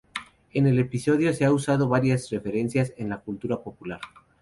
En el episodio se ha usado varias referencias en la cultura popular.